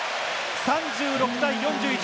３６対４１。